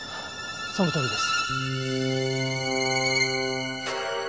そのとおりです。